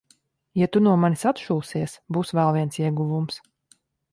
Ja tu no manis atšūsies, būs vēl viens ieguvums.